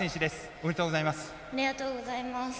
ありがとうございます。